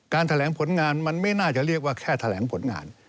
แถลงผลงานมันไม่น่าจะเรียกว่าแค่แถลงผลงาน